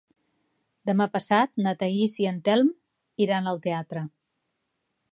Demà passat na Thaís i en Telm iran al teatre.